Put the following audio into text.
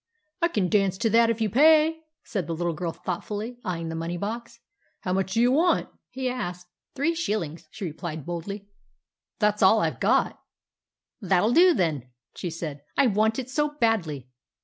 "I can dance to that if you can pay," said the little girl thoughtfully, eyeing the money box. "How much do you want?" he asked. "Three shillings," she replied boldly. "That's all I've got." "That'll do, then," she said; "I want it so badly."